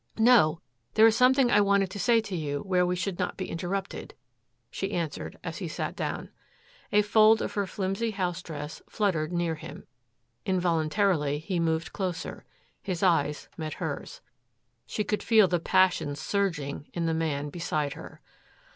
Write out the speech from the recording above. "No. There is something I wanted to say to you where we should not be interrupted," she answered as he sat down. A fold of her filmy house dress fluttered near him. Involuntarily he moved closer. His eyes met hers. She could feel the passions surging in the man beside her.